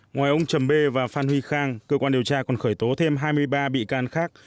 ngoài ông trầm b và phan huy khang cơ quan điều tra còn khởi tố thêm hai mươi ba bị can khác